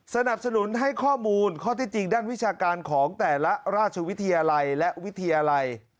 สนับสนุนให้ข้อมูลข้อที่จริงด้านวิชาการของแต่ละราชวิทยาลัยและวิทยาลัย